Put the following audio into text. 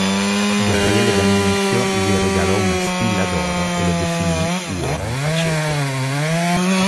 Gabriele D'Annunzio gli regalò una spilla d'oro e lo definì "uomo faceto".